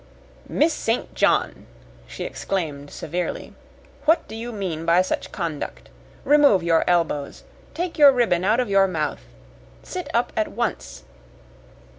"Miss St. John!" she exclaimed severely. "What do you mean by such conduct? Remove your elbows! Take your ribbon out of your mouth! Sit up at once!"